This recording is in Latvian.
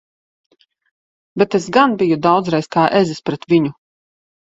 Bet es gan biju daudzreiz kā ezis pret viņu!